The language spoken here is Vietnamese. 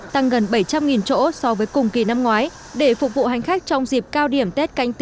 tăng gần bảy trăm linh chỗ so với cùng kỳ năm ngoái để phục vụ hành khách trong dịp cao điểm tết canh tí hai nghìn hai mươi